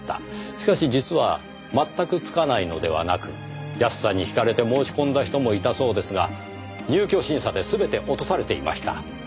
しかし実は全くつかないのではなく安さに惹かれて申し込んだ人もいたそうですが入居審査で全て落とされていました。